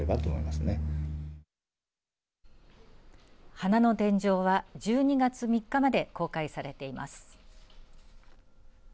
花の天井は１２月３日まで公開されています。